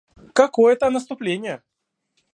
Какое там наступление!